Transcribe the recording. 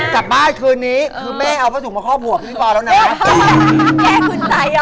กลับบ้านคืนนี้คือแม่เอาประสุทธิ์มาครอบหัวพี่ฟ้าแล้วนะ